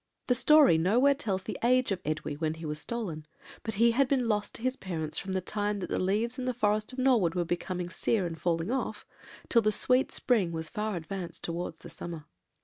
"The story nowhere tells the age of Edwy when he was stolen, but he had been lost to his parents from the time that the leaves in the forest of Norwood were becoming sear and falling off, till the sweet spring was far advanced towards the summer.